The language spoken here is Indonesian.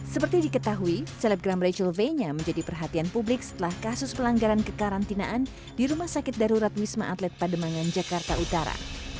seperti diketahui selebgram rachel venya menjadi perhatian publik setelah kasus pelanggaran kekarantinaan di rumah sakit darurat wisma atlet pademangan jakarta utara